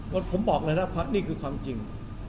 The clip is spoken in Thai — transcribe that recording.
เพราะผมบอกเลยนะครับนี่คือความจริง